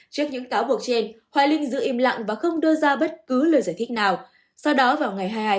trước những cáo buộc trên hoài linh giữ im lặng và không đưa ra bất cứ lời giải thích nào